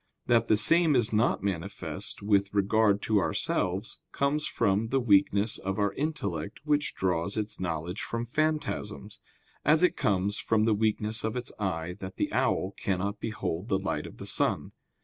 That the same is not manifest with regard to ourselves, comes from the weakness of our intellect which draws its knowledge from phantasms; as it comes from the weakness of its eye that the owl cannot behold the light of the sun.